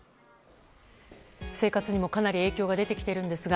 生活にもかなり影響が出てきているんですが。